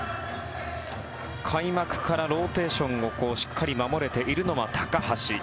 開幕からローテーションをしっかり守れているのは高橋。